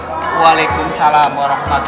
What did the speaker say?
assalamualaikum warahmatullahi wabarakatuh